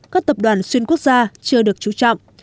các tập đoàn xuyên quốc gia chưa được chú trọng